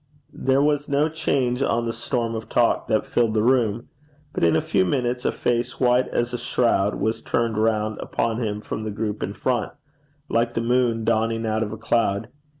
There was no change on the storm of talk that filled the room. But in a few minutes a face white as a shroud was turned round upon him from the group in front, like the moon dawning out of a cloud.